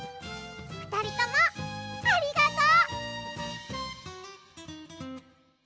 ふたりともありがとう！